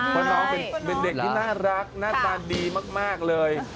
เพราะน้องเป็นเด็กที่น่ารักหน้าตาดีมากเลย